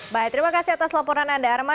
baik terima kasih atas laporan anda arman